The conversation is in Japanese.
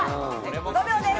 ５秒です